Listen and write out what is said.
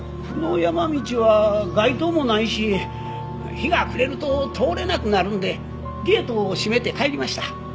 この山道は街灯もないし日が暮れると通れなくなるんでゲートを閉めて帰りました。